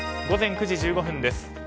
午前９時１５分です。